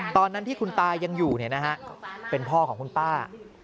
ตอนนั้นที่คุณตายังอยู่เป็นพ่อของคุณป้า